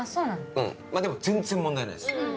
うんでも全然問題ないです。